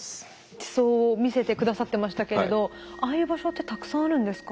地層を見せて下さってましたけれどああいう場所ってたくさんあるんですか？